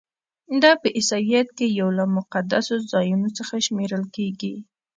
دا په عیسویت کې یو له مقدسو ځایونو څخه شمیرل کیږي.